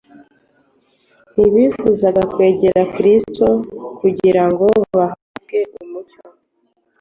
Ntibifuzaga kwegera Kristo kugira ngo bahabwe umucyo.